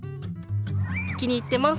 気に入ってます。